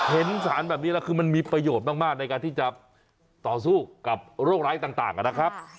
เห็นสารแบบนี้แล้วคือมันมีประโยชน์มากในการที่จะต่อสู้กับโรคร้ายต่างนะครับ